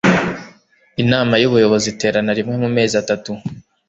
Inama y Ubuyobozi iterana rimwe mu mezi atatu